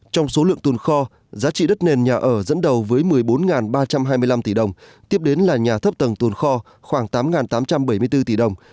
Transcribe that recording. trong số lượng tồn kho giá trị đất nền nhà ở dẫn đầu với một mươi bốn ba trăm hai mươi năm tỷ đồng tiếp đến là nhà thấp tầng kho khoảng tám tám trăm bảy mươi bốn tỷ đồng